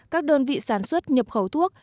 các đơn vị sản xuất nhập khẩu thuốc